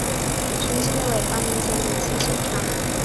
雄性的尾巴明显比雌性长。